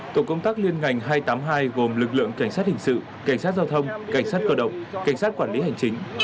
tổ công tác liên ngành hai trăm tám mươi hai gồm lực lượng cảnh sát hình sự cảnh sát giao thông cảnh sát cơ động cảnh sát quản lý hành chính